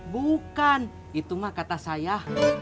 bukan itu mah kata saya